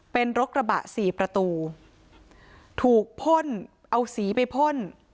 เป็นรถกระบะสี่ประตูถูกพ่นเอาสีไปพ่น